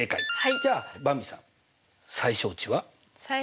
じゃあばんびさん最小値は？